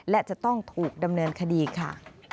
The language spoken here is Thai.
และจะต้องถูกดำเนินคดีค่ะ